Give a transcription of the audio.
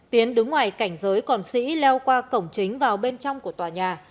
tiến đứng ngoài cảnh giới còn sĩ leo qua cổng chính vào bên trong của tòa nhà